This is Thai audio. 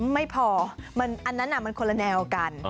ไม่พออันนั้นมันคนละแนวกัน